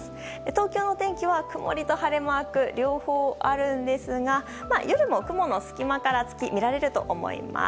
東京の天気は曇りと晴れマーク両方あるんですが夜も雲の隙間から月、見られると思います。